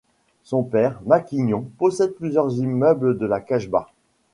Son père, maquignon, possède plusieurs immeubles de la Casbah.